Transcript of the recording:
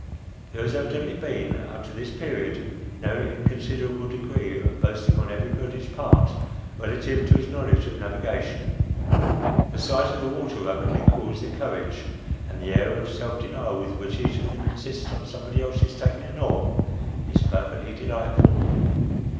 There has evidently been up to this period no inconsiderable degree of boasting on everybody's part relative to his knowledge of navigation ; the sight of the water rapidly cools their courage, and the air of self denial with which each of them insists on somebody else's taking an oar, is perfectly delightful.